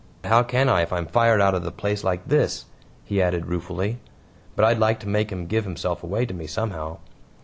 "How can I if I'm fired out of the place like this?" He added ruefully, "But I'd like to make him give himself away to me somehow."